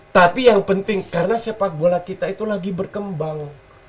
tapi yang penting karena sepak bola kita itu lagi berkembang